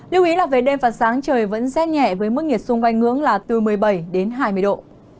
lưu ý là về đêm và sáng trời vẫn rét nhẹ với mức nhiệt xung quanh ngưỡng là từ một mươi bảy đến hai mươi độ